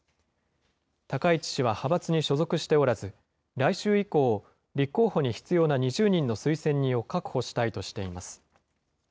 高市氏は派閥に所属しておらず、来週以降、立候補に必要な２０人の推薦人を確保したいとしています。